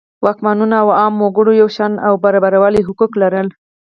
واکمنانو او عامو وګړو یو شان او برابر حقوق لرل.